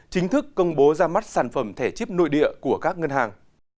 chính thức công bố ra mắt sản phẩm thẻ chip nội địa của các ngân hàng